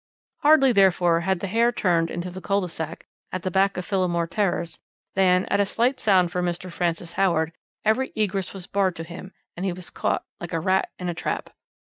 "Hardly, therefore, had the hare turned into the cul de sac at the back of Phillimore Terrace than, at a slight sound from Mr. Francis Howard, every egress was barred to him, and he was caught like a rat in a trap.